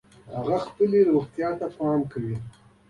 هغوی خپلې روغتیا ته پام کوي